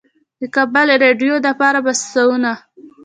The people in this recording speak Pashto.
د کابل رېډيؤ دپاره پۀ سوونو